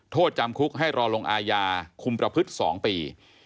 โทษจำคุกให้รอลงอาญาคุมประพฤติ๒ปี